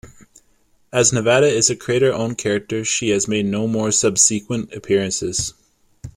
As Nevada is a creator-owned character, she has made no more subsequent appearances.